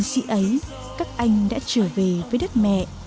người chiến sĩ ấy các anh đã trở về với đất mẹ